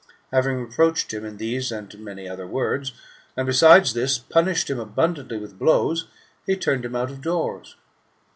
" Having reproached him in these and many other words, and besides this, punished him abundantly with blows, he turned him out of doors.